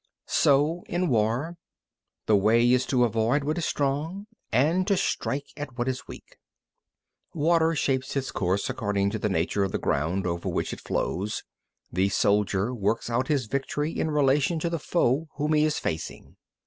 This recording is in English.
30. So in war, the way is to avoid what is strong and to strike at what is weak. 31. Water shapes its course according to the nature of the ground over which it flows; the soldier works out his victory in relation to the foe whom he is facing.